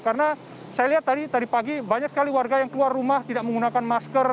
karena saya lihat tadi tadi pagi banyak sekali warga yang keluar rumah tidak menggunakan masker